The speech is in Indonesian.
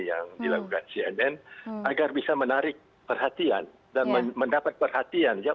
yang dilakukan cnn agar bisa menarik perhatian dan mendapat perhatian ya